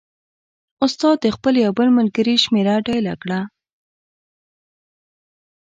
استاد د خپل یو بل ملګري شمېره ډایله کړه.